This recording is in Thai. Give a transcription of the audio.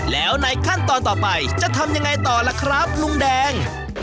แล้วในขั้นตอนต่อไปจะทำยังไงต่อล่ะครับลุงแดง